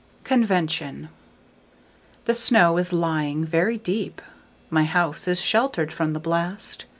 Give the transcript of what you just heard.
1922. Convention THE SNOW is lying very deep.My house is sheltered from the blast.